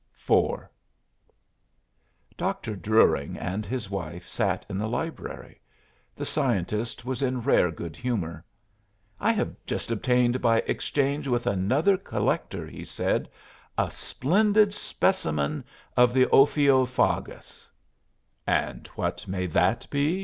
IV Dr. Druring and his wife sat in the library. The scientist was in rare good humor. "I have just obtained by exchange with another collector," he said, "a splendid specimen of the ophiophagus." "And what may that be?"